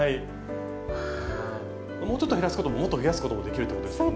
もうちょっと減らすことももっと増やすこともできるってことですね。